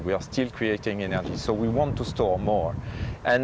kita masih membuat energi jadi kita ingin menyimpan lebih banyak